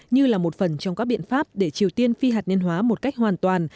như là một phần trong các biện pháp để triều tiên phi hạt nhân hóa một cách hoàn toàn